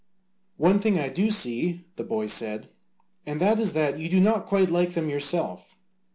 "One thing I do see," the boy said, "and that is that you do not quite like them yourself."